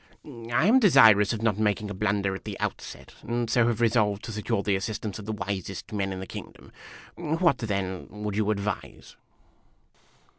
" I am desirous of not making a blunder at the outset, and so have resolved to secure the assistance of the wisest men of the kino o clom. What, then, would you advise